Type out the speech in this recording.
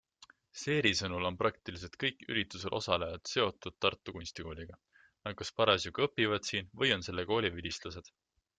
Seeri sõnul on praktiliselt kõik üritusel osalejad seotud Tartu Kunstikooliga - nad kas parasjagu õpivad siin või on selle kooli vilistlased.